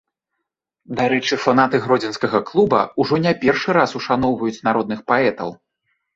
Дарэчы, фанаты гродзенскага клуба ўжо не першы раз ушаноўваюць народных паэтаў.